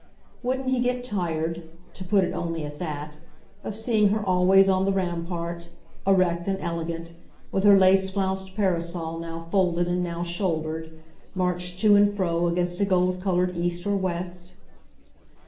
Wouldn't he get tired to put it only at that of seeing her always on the rampart, erect and elegant, with her lace flounced parasol now folded and now shouldered, march to and fro against a gold coloured east or west?